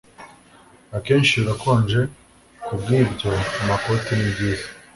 Akenshi birakonje kubwibyo amakoti ni byiza